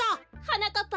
はなかっ